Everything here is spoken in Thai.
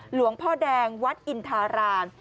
หลวงพ่อแดงวัดอินทาราม